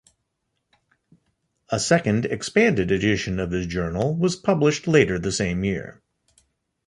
A second, expanded edition of his journal was published later the same year.